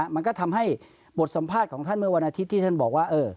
มันก็ทำให้บทสัมภาษณ์ของท่านเมื่อวันอาทิตย์ที่ท่านบอกว่า